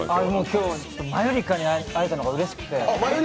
今日マユリカに会えたのがうれしくて。